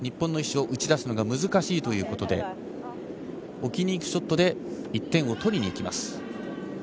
ハッセルボリは日本の石を打ち出すのが難しいということで、置きに行くショットで１点を取りに行きます。